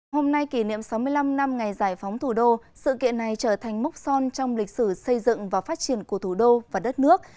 hôm nay kỷ niệm sáu mươi năm năm ngày giải phóng thủ đô sự kiện này trở thành mốc son trong lịch sử xây dựng và phát triển của thủ đô và đất nước